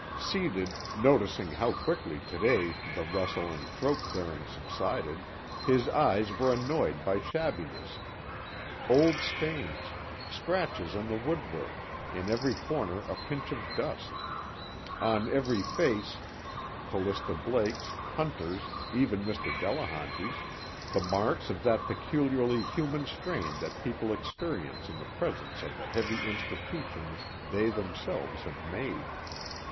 Seated, noticing how quickly today the rustle and throat clearing subsided, his eyes were annoyed by shabbiness. Old stains, scratches on the woodwork, in every corner a pinch of dust; on every face Callista Blake's, Hunter's, even Mr. Delehanty's the marks of that peculiarly human strain that people experience in the presence of the heavy institutions they themselves have made.